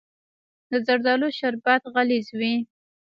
د زردالو شربت غلیظ وي.